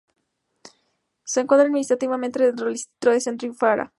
Se encuadra administrativamente dentro del distrito de Centro-Ifara.